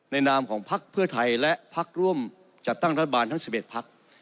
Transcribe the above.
นามของพักเพื่อไทยและพักร่วมจัดตั้งรัฐบาลทั้ง๑๑พัก